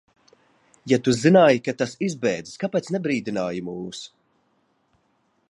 Ja tu zināji, ka tas izbēdzis, kāpēc nebrīdināji mūs?